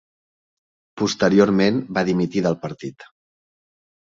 Posteriorment va dimitir del partit.